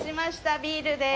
ビールでーす。